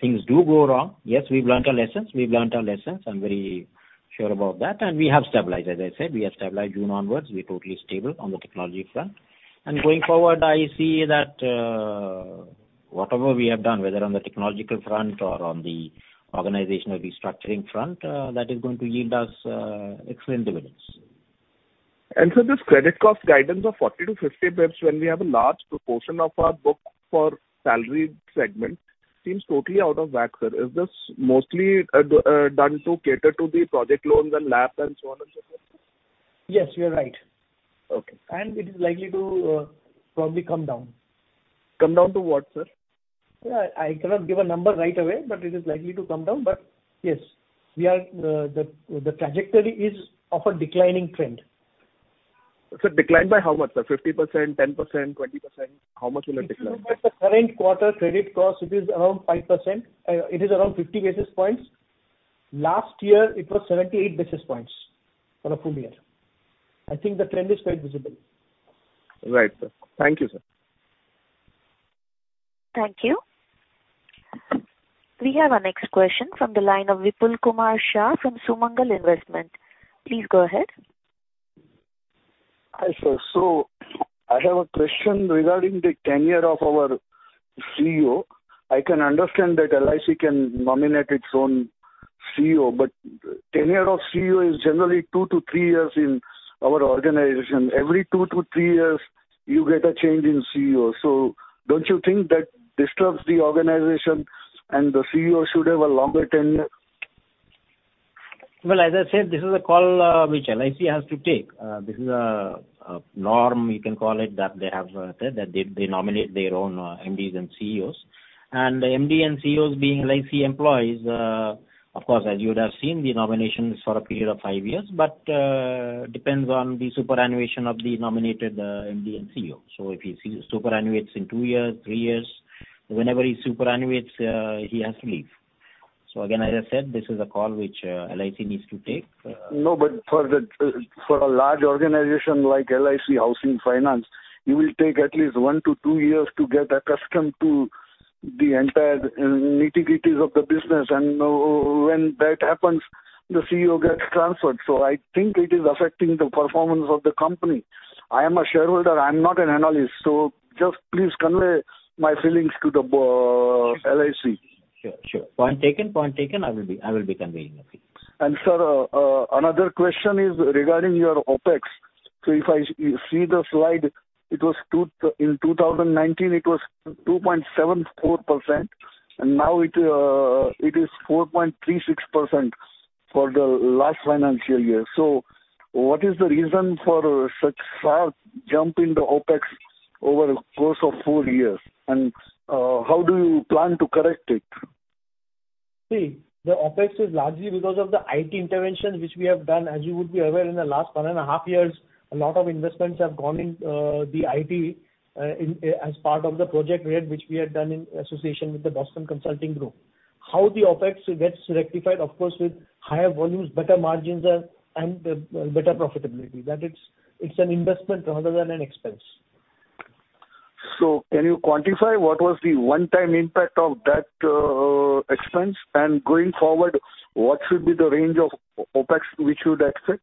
S3: things do go wrong. Yes, we've learnt our lessons. We've learnt our lessons. I'm very sure about that, and we have stabilized. As I said, we have stabilized June onwards. We're totally stable on the technology front. Going forward, I see that, whatever we have done, whether on the technological front or on the organizational restructuring front, that is going to yield us, excellent dividends.
S14: This credit cost guidance of 40 to 50 basis points, when we have a large proportion of our book for salaried segment, seems totally out of whack, sir. Is this mostly done to cater to the project loans and LAPs and so on and so forth, sir?
S3: Yes, you are right.
S14: Okay.
S3: It is likely to, probably come down.
S14: Come down to what, sir?
S3: I, I cannot give a number right away, but it is likely to come down. Yes, we are, the, the trajectory is of a declining trend.
S14: Sir, decline by how much, sir? 50%, 10%, 20%? How much will it decline?
S3: If you look at the current quarter credit cost, it is around 5%. It is around 50 basis points. Last year, it was 78 basis points for the full year. I think the trend is quite visible.
S14: Right, sir. Thank you, sir.
S1: Thank you. We have our next question from the line of Vipul Kumar Shah from Sumangal Investment. Please go ahead.
S15: Hi, sir. I have a question regarding the tenure of our CEO. I can understand that LIC can nominate its own CEO, but tenure of CEO is generally two to three years in our organization. Every two to three years, you get a change in CEO. Don't you think that disturbs the organization and the CEO should have a longer tenure?
S3: Well, as I said, this is a call, which LIC has to take. This is a, a norm, you can call it, that they have said that they, they nominate their own, MDs and CEOs. The MD and CEOs being LIC employees, of course, as you would have seen the nomination is for a period of 5 years, but, depends on the superannuation of the nominated, MD and CEO. If he superannuates in two years, three years, whenever he superannuates, he has to leave. Again, as I said, this is a call which, LIC needs to take.
S15: No, for the, for a large organization like LIC Housing Finance, you will take at least one-two years to get accustomed to the entire, nitty-gritties of the business, and when that happens, the CEO gets transferred. I think it is affecting the performance of the company. I am a shareholder, I'm not an analyst, so just please convey my feelings to the LIC.
S3: Sure, sure. Point taken. Point taken. I will be, I will be conveying your feelings.
S15: Sir, another question is regarding your OpEx. If I see the slide, in 2019, it was 2.74%, and now it is 4.36% for the last financial year. What is the reason for such sharp jump in the OpEx over the course of four years? How do you plan to correct it?
S3: See, the OpEx is largely because of the IT intervention, which we have done. As you would be aware, in the last one and a half years, a lot of investments have gone in, the IT, in, as part of the Project RED, which we have done in association with the Boston Consulting Group. How the OpEx gets rectified? Of course, with higher volumes, better margins are, and, better profitability. That it's an investment rather than an expense.
S15: Can you quantify what was the one-time impact of that expense? Going forward, what should be the range of OpEx we should expect?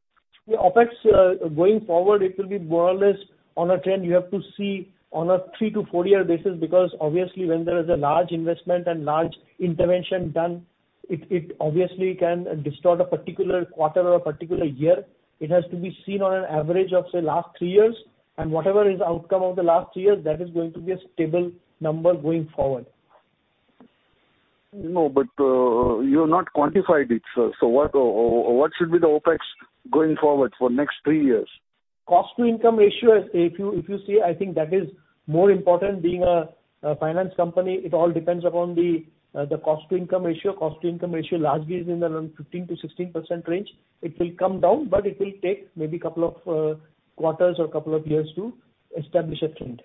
S3: The OpEx, going forward, it will be more or less on a trend. You have to see on a three-four-year basis, because obviously, when there is a large investment and large intervention done, it obviously can distort a particular quarter or a particular year. It has to be seen on an average of, say, last three years. Whatever is outcome of the last three years, that is going to be a stable number going forward.
S15: No, you have not quantified it, sir. What, what should be the OpEx going forward for next three years?
S3: Cost to income ratio, if you, if you see, I think that is more important being a, a finance company. It all depends upon the, the cost to income ratio. Cost to income ratio largely is in around 15%-16% range. It will come down, but it will take maybe couple of quarters or couple of years to establish a trend.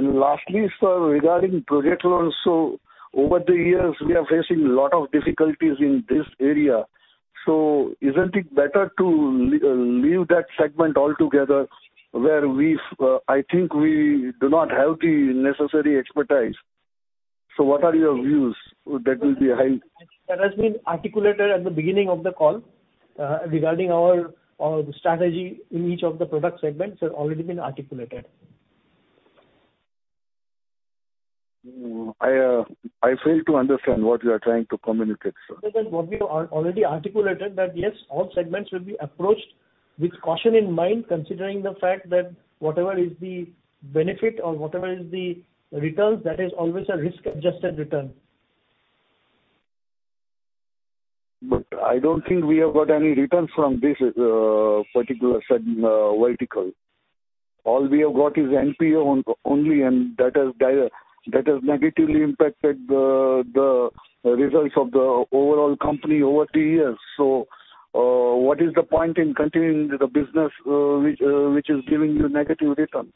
S15: Lastly, sir, regarding project loans. Over the years, we are facing a lot of difficulties in this area. Isn't it better to leave that segment altogether, where we've, I think we do not have the necessary expertise? What are your views that will be high?
S3: That has been articulated at the beginning of the call. Regarding our, our strategy in each of the product segments, it's already been articulated.
S15: I, I fail to understand what you are trying to communicate, sir.
S3: Sir, what we already articulated, that yes, all segments will be approached with caution in mind, considering the fact that whatever is the benefit or whatever is the returns, that is always a risk-adjusted return.
S15: I don't think we have got any returns from this particular segment, vertical. All we have got is NPA only, and that has negatively impacted the results of the overall company over three years. What is the point in continuing the business which is giving you negative return?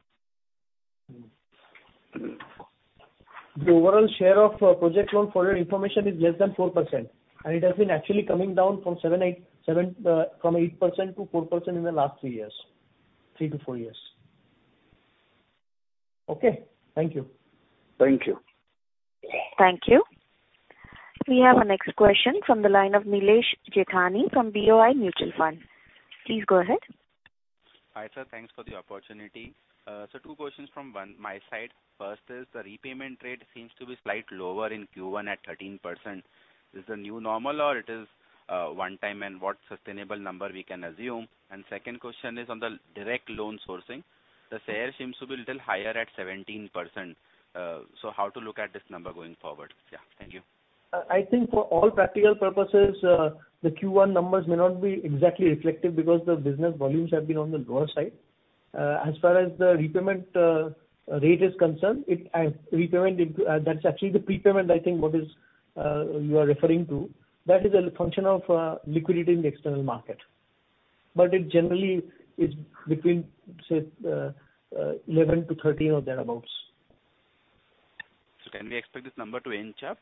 S3: The overall share of project loan, for your information, is less than 4%, and it has been actually coming down from 8% to 4% in the last three years. three-four years. Okay? Thank you.
S15: Thank you.
S1: Thank you. We have our next question from the line of Nilesh Jethani from BOI Mutual Fund. Please go ahead.
S16: Hi, sir. Thanks for the opportunity. Two questions from my side. First is the repayment rate seems to be slight lower in Q1 at 13%. Is this the new normal or it is one time, and what sustainable number we can assume? Second question is on the direct loan sourcing. The share seems to be little higher at 17%. How to look at this number going forward? Yeah. Thank you.
S5: I think for all practical purposes, the Q1 numbers may not be exactly reflective because the business volumes have been on the lower side. As far as the repayment rate is concerned, it, and repayment, that's actually the prepayment, I think, what is, you are referring to. That is a function of liquidity in the external market. It generally is between, say, 11-13 or thereabouts.
S16: Can we expect this number to inch up?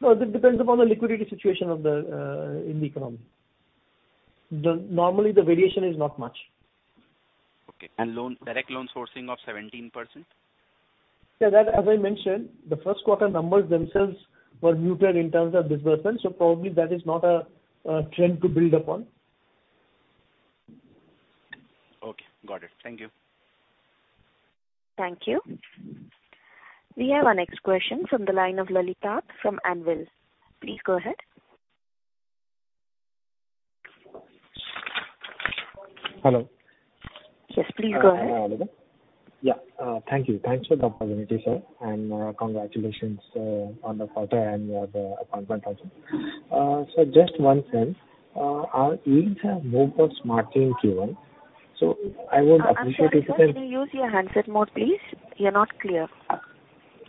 S5: No, this depends upon the liquidity situation of the, in the economy. Normally, the variation is not much.
S16: Okay, loan, direct loan sourcing of 17%?
S5: Yeah, that, as I mentioned, the first quarter numbers themselves were muted in terms of disbursement, probably that is not a trend to build upon.
S16: Okay, got it. Thank you.
S1: Thank you. We have our next question from the line of Lalita from Anvil. Please go ahead.
S17: Hello?
S1: Yes, please go ahead.
S17: Yeah. Thank you. Thanks for the opportunity, sir, and congratulations on the quarter and your appointment also. Just one thing. Our yields have moved more smartly in Q1, so I would appreciate if you can-
S1: I'm sorry, sir, can you use your handset mode, please? You're not clear.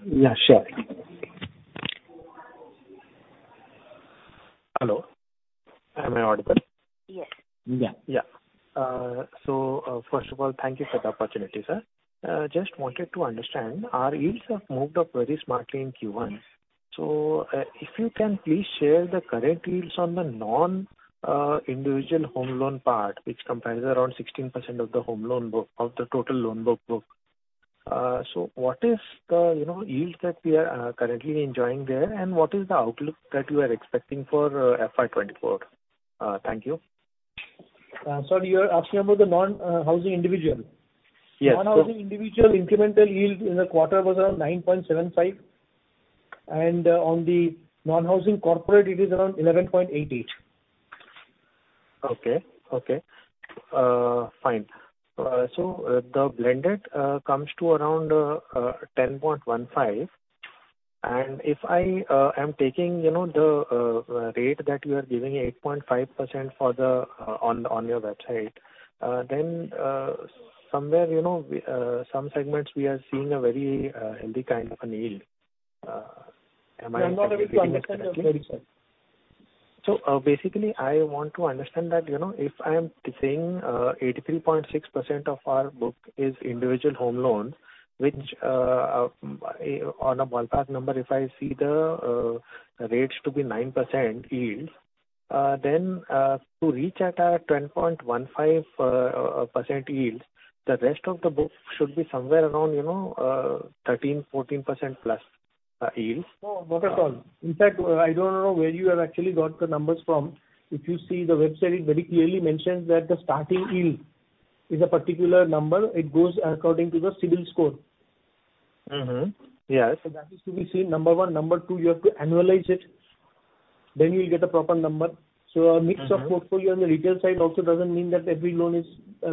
S17: Yeah, sure. Hello, am I audible?
S1: Yes.
S17: Yeah, yeah. First of all, thank you for the opportunity, sir. Just wanted to understand, our yields have moved up very smartly in Q1. If you can please share the current yields on the non, individual home loan part, which comprises around 16% of the home loan book, of the total loan book book. What is the, you know, yields that we are currently enjoying there, and what is the outlook that you are expecting for FY 2024? Thank you.
S5: You are asking about the Non-Housing Individual?
S17: Yes.
S5: Non-housing individual incremental yield in the quarter was around 9.75%, and on the non-housing corporate it is around 11.88%.
S17: Okay. Okay. Fine. The blended comes to around 10.15, and if I am taking, you know, the rate that you are giving, 8.5% for the on your website, then somewhere, you know, we some segments we are seeing a very healthy kind of an yield. Am I reading that correctly?
S5: I'm not able to understand it very well.
S17: Basically, I want to understand that, you know, if I am saying, 83.6% of our book is individual home loans, which, on a ballpark number, if I see the rates to be 9% yields, then, to reach at a 10.15% yields, the rest of the book should be somewhere around, you know, 13%-14%+ yields.
S5: No, not at all. In fact, I don't know where you have actually got the numbers from. If you see, the website, it very clearly mentions that the starting yield is a particular number. It goes according to the CIBIL score.
S17: Yeah.
S5: That is to be seen, number one. Number two, you have to annualize it, then you'll get a proper number. A mix of portfolio on the retail side also doesn't mean that every loan is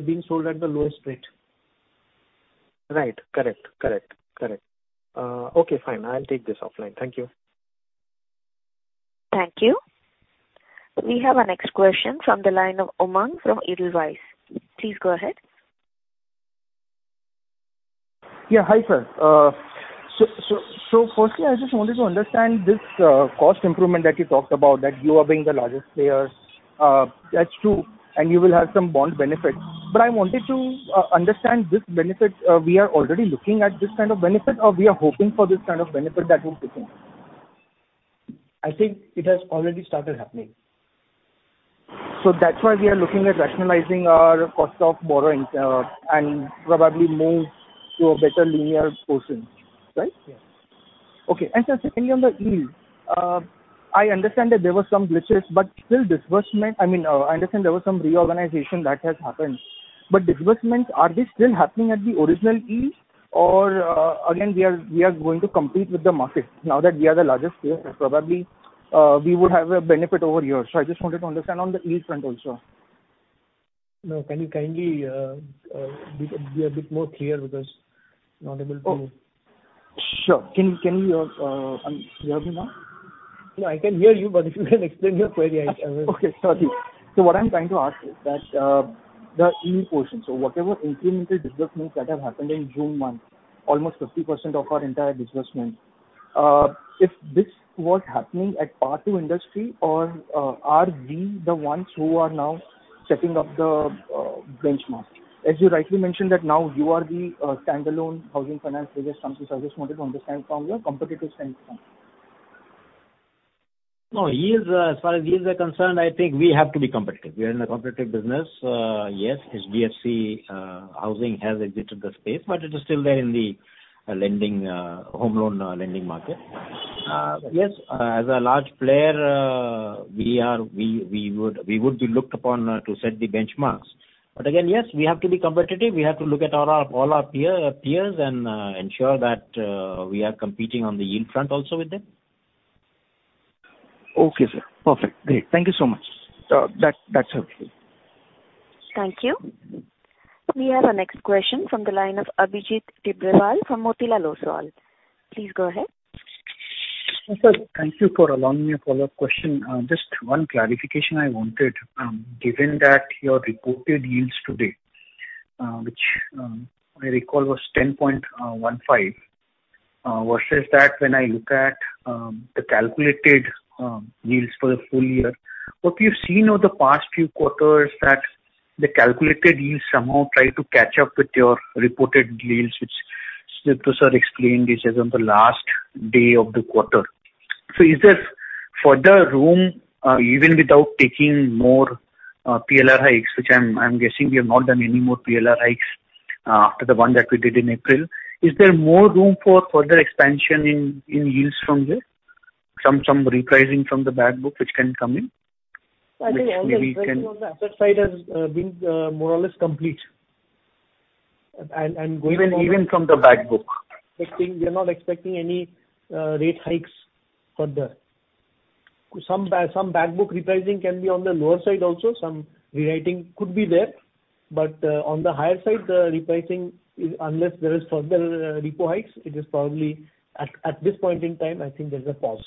S5: being sold at the lowest rate.
S17: Right. Correct, correct, correct. Okay, fine. I'll take this offline. Thank you.
S1: Thank you. We have our next question from the line of Umang from Edelweiss. Please go ahead.
S18: Yeah. Hi, sir. So firstly, I just wanted to understand this cost improvement that you talked about, that you are being the largest player. That's true, and you will have some bond benefits. I wanted to understand this benefit. We are already looking at this kind of benefit or we are hoping for this kind of benefit that will happen?
S5: I think it has already started happening.
S18: That's why we are looking at rationalizing our cost of borrowing, and probably move to a better linear portion, right?
S5: Yeah.
S18: Okay. Sir, secondly on the yield, I understand that there were some glitches, but still disbursement. I mean, I understand there was some reorganization that has happened, but disbursements, are they still happening at the original yield or, again, we are, we are going to compete with the market now that we are the largest player? Probably, we would have a benefit over here. I just wanted to understand on the yield front also.
S5: No, can you kindly be a bit more clear because not able to.
S18: Oh, sure. Can, can you hear me now?
S5: No, I can hear you, but if you can explain your query, I, I-
S18: Okay, sorry. What I'm trying to ask is that the yield portion. Whatever incremental disbursement that have happened in June month, almost 50% of our entire disbursement. If this was happening at par to industry or are we the ones who are now setting up the benchmark? As you rightly mentioned, that now you are the standalone housing finance biggest service model from the standpoint of competitive standpoint.
S3: No, yields, as far as yields are concerned, I think we have to be competitive. We are in a competitive business. Yes, HDFC Housing has exited the space, but it is still there in the lending, home loan lending market. Yes, as a large player, we, we would, we would be looked upon to set the benchmarks. Again, yes, we have to be competitive. We have to look at all our, all our peer, peers and ensure that we are competing on the yield front also with them.
S18: Okay, sir. Perfect. Great. Thank you so much. That's helpful.
S1: Thank you. We have our next question from the line of Abhijit Tibrewal from Motilal Oswal. Please go ahead.
S4: Sir, thank you for allowing me a follow-up question. Just one clarification I wanted, given that your reported yields today, which I recall was 10.15, versus that when I look at the calculated yields for the full year. What we've seen over the past few quarters that the calculated yields somehow try to catch up with your reported yields, which Sir explained is as on the last day of the quarter. Is there further room, even without taking more PLR hikes, which I'm guessing you have not done any more PLR hikes after the one that we did in April? Is there more room for further expansion in yields from this, some, some repricing from the bad book, which can come in? Which maybe can-.
S5: I think on the asset side as being more or less complete. going-
S4: Even, even from the bad book.
S5: We are not expecting any rate hikes further. Some bad book repricing can be on the lower side also, some rewriting could be there. On the higher side, the repricing, unless there is further repo hikes, it is probably. At this point in time, I think there's a pause.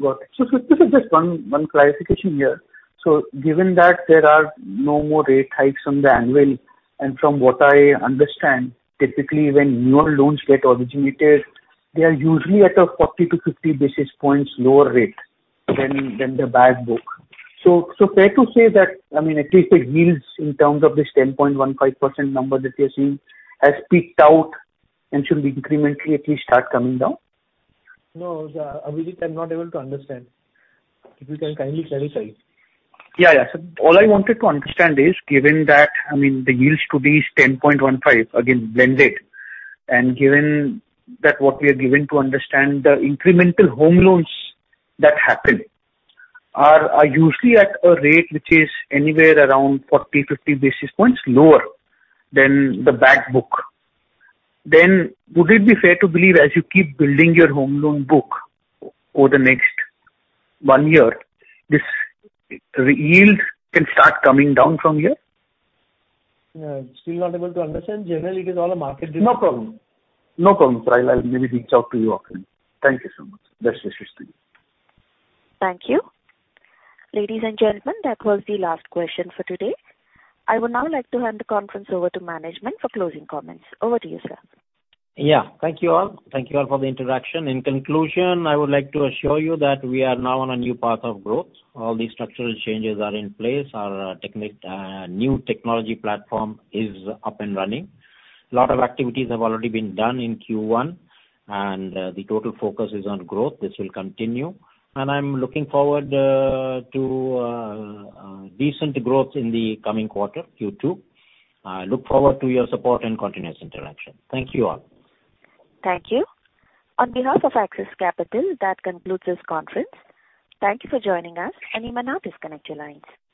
S4: Got it. Just one, one clarification here. Given that there are no more rate hikes on the annual, and from what I understand, typically when newer loans get originated, they are usually at a 40-50 basis points lower rate than, than the bad book. Fair to say that, I mean, at least the yields in terms of this 10.15% number that we are seeing, has peaked out and should be incrementally at least start coming down?
S5: No, Abhijit, I'm not able to understand. If you can kindly clarify?
S4: Yeah, yeah. All I wanted to understand is, given that, I mean, the yields to be is 10.15, again, blended, and given that what we are given to understand, the incremental home loans that happened are, are usually at a rate which is anywhere around 40, 50 basis points lower than the bad book. Would it be fair to believe, as you keep building your home loan book over the next 1 year, this yields can start coming down from here?
S5: No, still not able to understand. Generally, it is all a market-
S4: No problem. No problem, sir. I'll maybe reach out to you again. Thank you so much. Best wishes to you.
S1: Thank you. Ladies and gentlemen, that was the last question for today. I would now like to hand the conference over to management for closing comments. Over to you, sir.
S3: Yeah. Thank you, all. Thank you all for the interaction. In conclusion, I would like to assure you that we are now on a new path of growth. All the structural changes are in place. Our techni- new technology platform is up and running. Lot of activities have already been done in Q1, and the total focus is on growth. This will continue, and I'm looking forward to decent growth in the coming quarter, Q2. I look forward to your support and continuous interaction. Thank you, all.
S1: Thank you. On behalf of Axis Capital, that concludes this conference. Thank you for joining us, and you may now disconnect your lines.